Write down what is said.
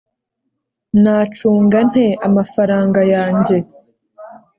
Nacunga nte amafaranga yanjye